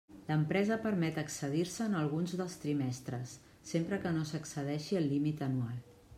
L'empresa permet excedir-se en alguns dels trimestres sempre que no s'excedeixi el límit anual.